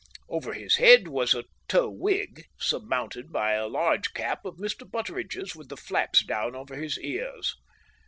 Over his head was a tow wig, surmounted by a large cap of Mr. Butteridge's with the flaps down over his ears.